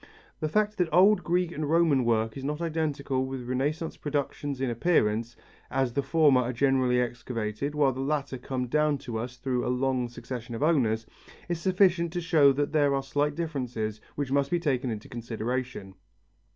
The fact that old Greek and Roman work is not identical with Renaissance productions in appearance, as the former are generally excavated while the latter come down to us through a long succession of owners, is sufficient to show that there are slight differences which must be taken into consideration.